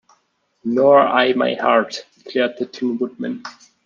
"Nor I my heart," declared the Tin Woodman.